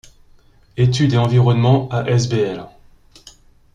Études & Environnement asbl.